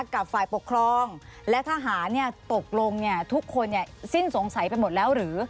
กับฝ่ายปกครองและทหารตกลงทุกคนสิ้นสงสัยไปหมดแล้วหรือ